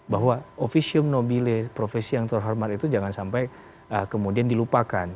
bahwa officium nobile profesi yang terhormat itu jangan sampai kemudian dilupakan